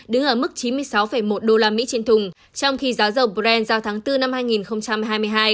đứng ở mức chín mươi sáu một usd trên thùng trong khi giá dầu brent giao tháng bốn năm hai nghìn hai mươi hai